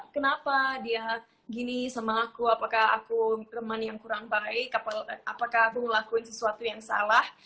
kenapa dia gini sama aku apakah aku teman yang kurang baik apakah aku ngelakuin sesuatu yang salah